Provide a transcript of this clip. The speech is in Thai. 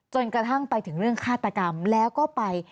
จนกระทั่งไปถึงเรื่องฆาตกรรมแล้วก็ไป